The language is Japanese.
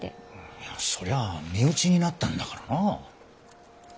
いやそりゃあ身内になったんだからなあ。